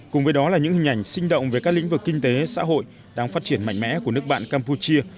cùng với đó là những hình ảnh sinh động về các lĩnh vực kinh tế xã hội đang phát triển mạnh mẽ của nước bạn campuchia